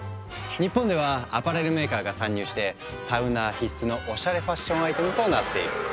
日本ではアパレルメーカーが参入してサウナー必須のおしゃれファッションアイテムとなっている。